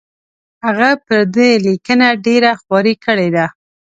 هغه پر دې لیکنه ډېره خواري کړې ده.